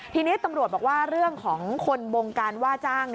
ทีนี้ตำรวจบอกว่าเรื่องของคนบงการว่าจ้าง